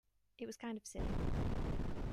It was kind of silly.